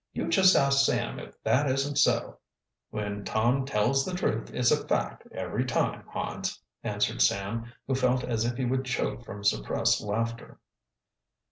You just ask Sam if that isn't so." "When Tom tells the truth it's a fact every time, Hans," answered Sam, who felt as if he would choke from suppressed laughter.